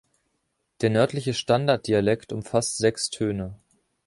Der nördliche Standarddialekt umfasst sechs Töne.